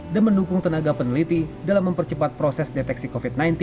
dan mendukung tenaga peneliti dalam mempercepat proses deteksi covid sembilan belas